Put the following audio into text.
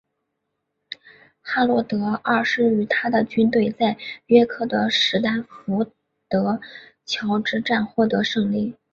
哈洛德二世与他的军队在约克的史丹福德桥之战获得胜利。